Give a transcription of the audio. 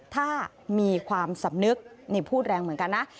ถ้ามีความสำนึกนี่พูดแรงเหมือนกันนะ